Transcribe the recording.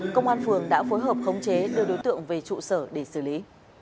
công an phường đã phối hợp khống chế đưa đối tượng về trụ sở để xử lý